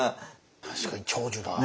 確かに長寿だ。